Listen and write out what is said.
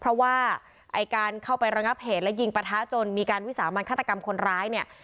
เพราะว่าไอ้การเข้าไประงับเหตุและยิงประทะจนมีการวิสามันฆาตกรรมคนร้ายเนี่ย